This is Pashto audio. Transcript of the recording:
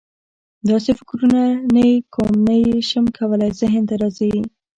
داسې فکرونه لکه: نه یې کوم یا نه یې شم کولای ذهن ته راځي.